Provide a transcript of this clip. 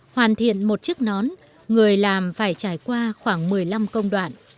hoàn thiện một chiếc nón người làm phải trải qua khoảng một mươi năm công đoạn